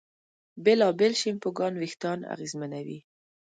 بېلابېل شیمپوګان وېښتيان اغېزمنوي.